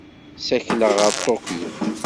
Ssakleɣ ɣer Tokyo.